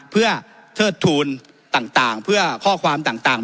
เพื่อเทิดทูลต่างเพื่อข้อความต่าง